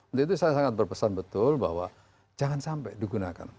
untuk itu saya sangat berpesan betul bahwa jangan sampai digunakan